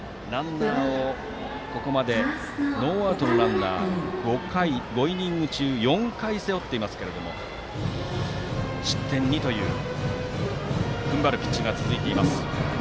ここまでノーアウトのランナーを５イニング中４回背負っていますが失点２という踏ん張るピッチングが続いています。